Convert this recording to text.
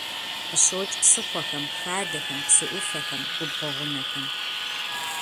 Къыщокӏ псыхъуэхэм, хадэхэм, псыӏуфэхэм, губгъуэ гъунэхэм.